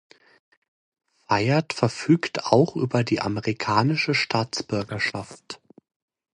Fayyad verfügt auch über die amerikanische Staatsbürgerschaft.